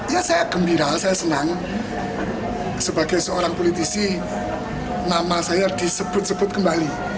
ya saya gembira saya senang sebagai seorang politisi nama saya disebut sebut kembali